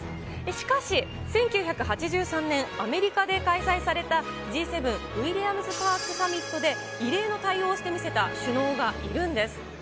しかし、１９８３年、アメリカで開催されたＧ７ウイリアムズ・パークサミットで、異例の対応をしてみせた首脳がいるんです。